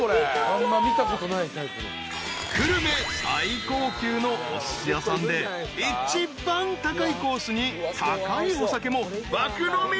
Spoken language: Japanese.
［久留米最高級のおすし屋さんで一番高いコースに高いお酒も爆飲み。